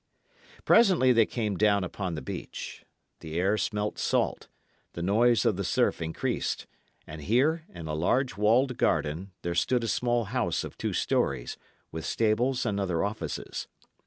Presently they came close down upon the beach. The air smelt salt; the noise of the surf increased; and here, in a large walled garden, there stood a small house of two storeys, with stables and other offices.